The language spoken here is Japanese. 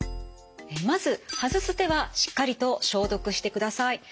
まず外す手はしっかりと消毒してください。